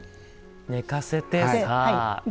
寝かせてさあ。